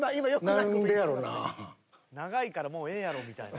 長いからもうええやろみたいな。